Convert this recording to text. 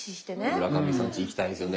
村上さんち行きたいですよね。